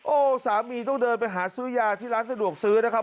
โอ้โหสามีต้องเดินไปหาซื้อยาที่ร้านสะดวกซื้อนะครับ